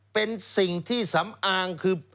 เป็นสิ่งที่สำอางคือ